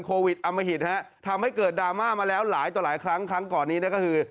โควิดอมหิตฮะทำให้เกิดดราม่ามาแล้วหลายต่อหลายครั้งครั้งก่อนนี้ก็คือ